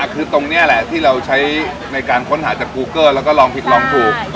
คือตรงนี้แหละที่เราใช้ในการค้นหาจากกูเกอร์แล้วก็ลองผิดลองถูก